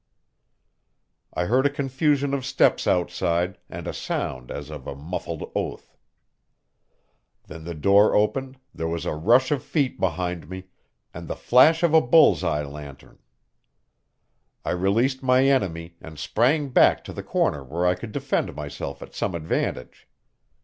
I heard a confusion of steps outside, and a sound as of a muffled oath. Then the door opened, there was a rush of feet behind me, and the flash of a bull's eye lantern. I released my enemy, and sprang back to the corner where I could defend myself at some advantage.